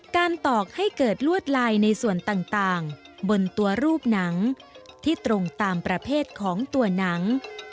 ตอกให้เกิดลวดลายในส่วนต่างบนตัวรูปหนังที่ตรงตามประเภทของตัวหนัง